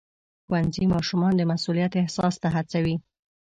ښوونځی ماشومان د مسؤلیت احساس ته هڅوي.